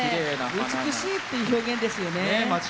美しいっていう表現ですよね。